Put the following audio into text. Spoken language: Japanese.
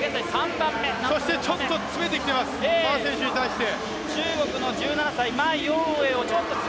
そしてちょっと詰めてきています、馬選手に対して。